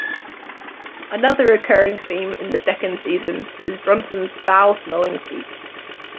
Another recurring theme in the second season is Bronson's foul-smelling feet.